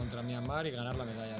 objektif kita sekarang adalah menang medal